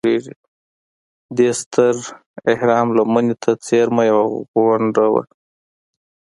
دې ستر اهرام لمنې ته څېرمه یوه غونډه وه.